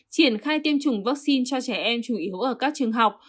triển khai tiêm chủng vaccine cho trẻ em chủ yếu ở các trường học